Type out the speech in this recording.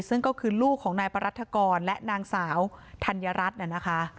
ซึ่งก็คือลูกของนายปรัฐกรและนางสาวธัญรัฐน่ะนะคะ